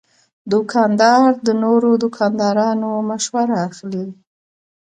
دوکاندار د نورو دوکاندارانو مشوره اخلي.